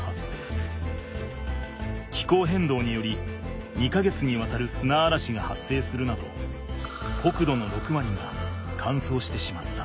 気候変動により２か月にわたるすなあらしが発生するなど国土の６割が乾燥してしまった。